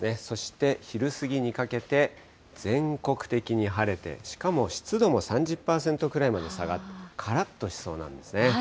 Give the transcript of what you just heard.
そして昼過ぎにかけて、全国的に晴れて、しかも、湿度も３０％くらいまで下がって、からっとしそうなんですね。